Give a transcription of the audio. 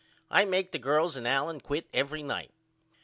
I make the girls and Allen quit every night.